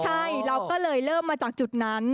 ใช่เราก็เลยเริ่มมาจากจุดนั้น